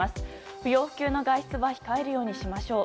不要不急の外出は控えるようにしましょう。